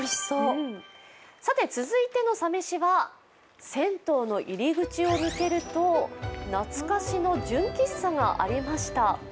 さて、続いてのサ飯は銭湯の入り口を抜けると懐かしの純喫茶がありました。